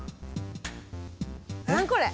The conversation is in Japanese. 何これ？